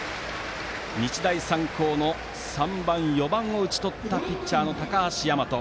日大三高の３番、４番を打ち取ったピッチャーの高橋大和。